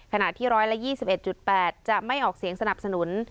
ขนาดที่ร้อยละ๒๑๘จะไม่ออกเสียงสนับสนุน